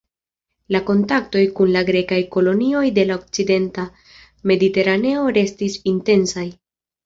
La kontaktoj kun la grekaj kolonioj de la okcidenta mediteraneo restis intensaj.